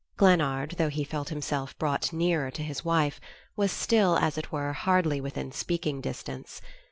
Glennard, though he felt himself brought nearer to his wife, was still, as it were, hardly within speaking distance.